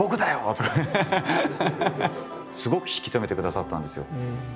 すごく引き止めてくださったんですよ。